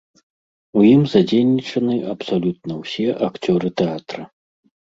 У ім задзейнічаны абсалютна ўсе акцёры тэатра.